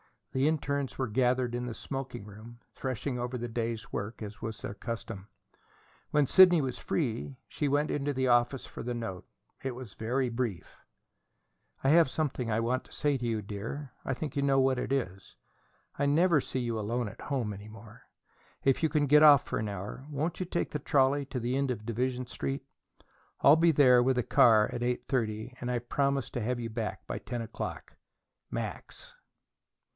The internes were gathered in the smoking room, threshing over the day's work, as was their custom. When Sidney was free, she went to the office for the note. It was very brief: I have something I want to say to you, dear. I think you know what it is. I never see you alone at home any more. If you can get off for an hour, won't you take the trolley to the end of Division Street? I'll be there with the car at eight thirty, and I promise to have you back by ten o'clock. MAX.